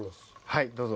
はいどうぞ。